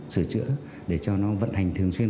sửa chữa để cho nó vận hành thường xuyên